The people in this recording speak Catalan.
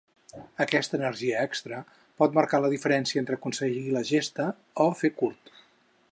Aquesta energia extra pot marcar la diferència entre aconseguir la gesta o fer curt.